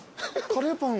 カレーパン